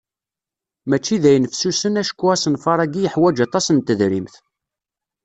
Mačči d ayen fessusen acku asenfar-agi yeḥwaǧ aṭas n tedrimt.